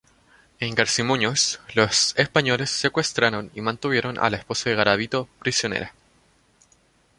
En Garcimuñoz, los españoles secuestraron y mantuvieron a la esposa de Garabito prisionera.